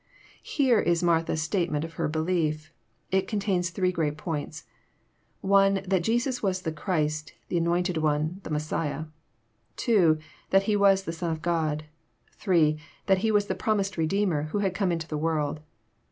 ] Here is Martha's statement of her belief. It contains three great points : (1) that Jesus was the Christ, the anointed One, the Messiah ; (2) that He was the Son of God ; (8) that He was the promised Redeemer, who was to come into the world.